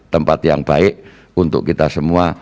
tempat yang baik untuk kita semua